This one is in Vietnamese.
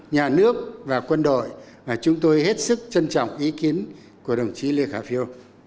nhà nước và quân đội và chúng tôi hết sức trân trọng ý kiến của đồng chí lê khả phiêu